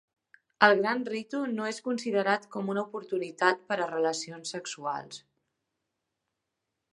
El Gran Ritu no és considerat com una oportunitat per a relacions sexuals.